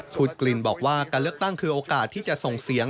พูดกลิ่นบอกว่าการเลือกตั้งคือโอกาสที่จะส่งเสียง